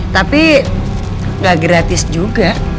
tapi gak gratis juga